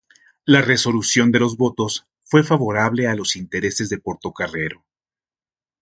La resolución de los votos fue favorable a los intereses de Portocarrero.